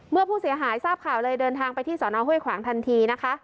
เมื่อผู้เสียหายทราบข่าวเลยเดินทางไปที่สอนอห้วยขวางทันทีนะคะ